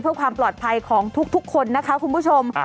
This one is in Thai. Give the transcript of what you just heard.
เพื่อความปลอดภัยของทุกคนนะคะคุณผู้ชม